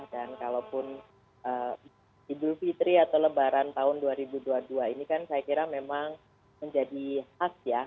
dan kalaupun idul fitri atau lebaran tahun dua ribu dua puluh dua ini kan saya kira memang menjadi hak ya